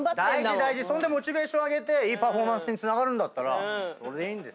モチベーション上げていいパフォーマンスにつながるんだったらそれでいいんです。